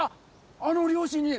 あの両親に？